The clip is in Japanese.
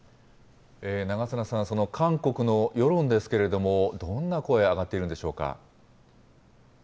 長砂さん、その韓国の世論ですけれども、どんな声上がっているんでしょうか。